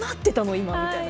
今みたいな。